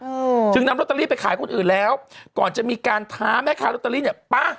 อืมถึงนำลอตเตอรี่ไปขายคนอื่นแล้วก่อนจะมีการท้าแม่ค้ารอตเตอรี่เนี้ยป่ะ